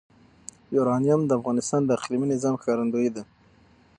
یورانیم د افغانستان د اقلیمي نظام ښکارندوی ده.